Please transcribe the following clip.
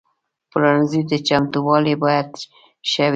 د پلورنځي چمتووالی باید ښه وي.